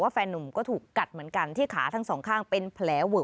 ใช่กัดตอนต้องน่องขาเขาก็คือกัดไม่ปลอดแล้วมันกัดยื้ออยู่จนเนื้อหลุด